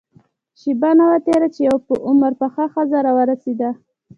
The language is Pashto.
شېبه نه وه تېره چې يوه په عمر پخه ښځه راورسېده.